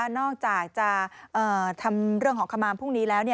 นอกจากจะทำเรื่องของขมามพรุ่งนี้แล้ว